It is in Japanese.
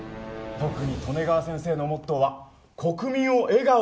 特に利根川先生のモットーは「国民を笑顔にする」ですから。